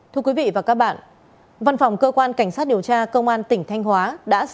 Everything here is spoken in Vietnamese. thưa quý vị và các bạn văn phòng cơ quan cảnh sát điều tra công an tỉnh thanh hóa